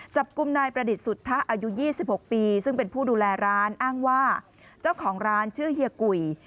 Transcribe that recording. จับกลุ่มนายประดิษฐ์สุทธะอายุ๒๖ปีซึ่งเป็นผู้ดูแลร้านอ้างว่าเจ้าของร้านชื่อเฮียกุย